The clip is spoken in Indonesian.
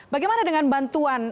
bagaimana dengan bantuan